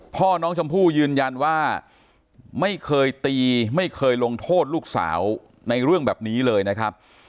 พ่อน้องชมพู่ยืนยันว่าไม่เคยตีไม่เคยลงโทษลูกสาวในเรื่องแบบนี้เลยนะครับ